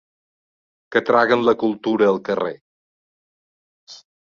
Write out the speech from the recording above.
Que traguen la cultura al carrer.